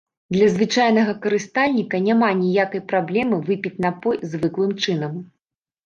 Для звычайнага карыстальніка няма ніякай праблемы выпіць напой звыклым чынам.